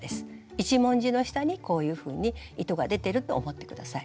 一文字の下にこういうふうに糸が出てると思って下さい。